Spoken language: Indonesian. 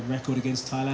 seperti yang kita lihat